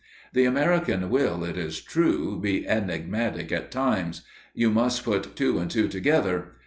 The American will, it is true, be enigmatic at times; you must put two and two together.